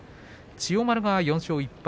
千代丸は４勝１敗